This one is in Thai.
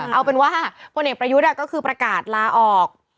เอาเป็นว่าพลเอกประยุทธ์ก็คือประกาศลาออก